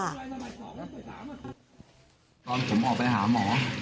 ตอนผมออกไปหาหมอ